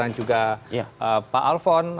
dan juga pak alfon